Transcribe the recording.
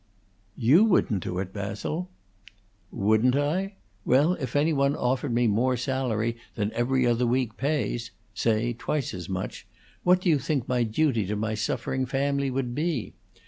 "You wouldn't do it, Basil!" "Wouldn't I? Well, if any one offered me more salary than 'Every Other Week' pays say, twice as much what do you think my duty to my suffering family would be?